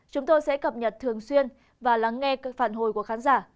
chúng tôi sẽ cập nhật thường xuyên và lắng nghe phản hồi của khán giả